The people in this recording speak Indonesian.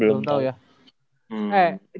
belum tau ya eh